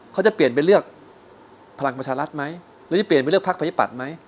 เขาจะเปลี่ยนไปเลือกพลังประชารัฐไหมหรือจะเปลี่ยนไปเลือกพักประชาธิปัตย์ไหม